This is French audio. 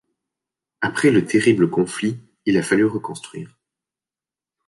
Après le terrible conflit, il a fallu reconstruire.